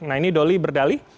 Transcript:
nah ini dolly berdalih